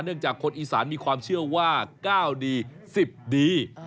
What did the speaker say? จากคนอีสานมีความเชื่อว่า๙ดี๑๐ดี